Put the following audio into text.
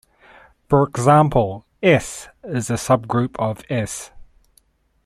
For example "S" is a subgroup of "S".